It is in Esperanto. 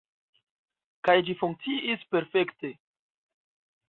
Kaj ĝi funkciis perfekte.